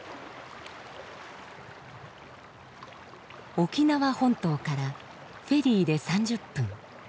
沖縄本島からフェリーで３０分。